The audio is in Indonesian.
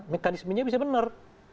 mekanismenya bisa benar